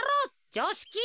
じょうしき。